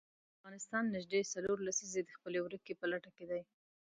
افغانستان نژدې څلور لسیزې د خپلې ورکې په لټه کې دی.